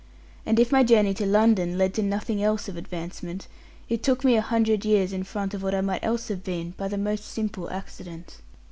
And if my journey to London led to nothing else of advancement, it took me a hundred years in front of what I might else have been, by the most simple accident.